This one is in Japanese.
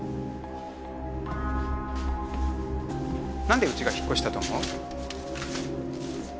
なんでうちが引っ越したと思う？